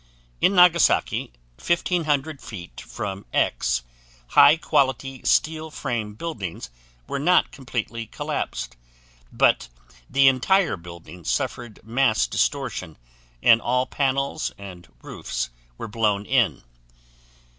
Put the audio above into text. In Nagasaki, 1500 feet from X high quality steel frame buildings were not completely collapsed, but the entire buildings suffered mass distortion and all panels and roofs were blown in.